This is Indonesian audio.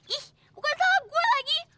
ih bukan salam gue lagi